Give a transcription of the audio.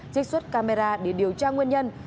trích xuất camera để điều tra nguyên nhân